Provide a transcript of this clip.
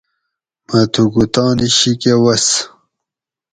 مہ تھوکو تانی شیکہ وس